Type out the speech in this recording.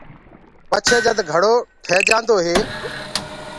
پڇي جد گھڙو تير هوجآندو هي،